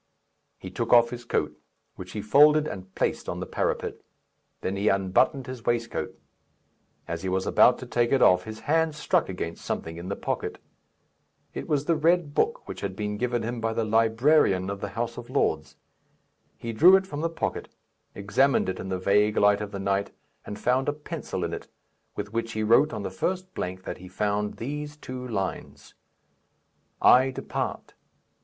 He took off his coat, which he folded and placed on the parapet; then he unbuttoned his waistcoat. As he was about to take it off, his hand struck against something in the pocket. It was the red book which had been given him by the librarian of the House of Lords: he drew it from the pocket, examined it in the vague light of the night, and found a pencil in it, with which he wrote on the first blank that he found these two lines, "I depart.